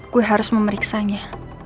gue harus memeriksanya